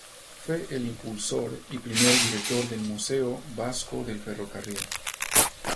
Fue el impulsor y primer director del Museo Vasco del Ferrocarril.